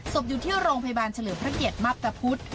อยู่ที่โรงพยาบาลเฉลิมพระเกียรติมับตะพุทธ